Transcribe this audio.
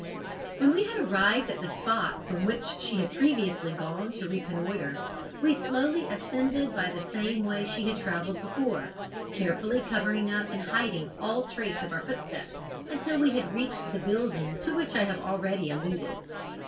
"When we had arrived at the spot from which she had previously gone to reconnoitre, we slowly ascended by the same way she had travelled before, carefully covering up and hiding all trace of our footsteps until we had reached the building to which I have already alluded.